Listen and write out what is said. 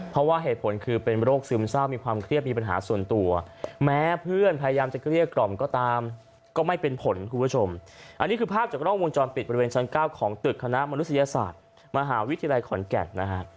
จับภาพจากร่องวงจรปิดบริเวณชั้น๙ของตึกคณะมนุษยศาสตร์มหาวิทยาลัยขอนแก่น